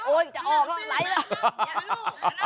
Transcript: โอ๊ยจะออกหรอไหลละ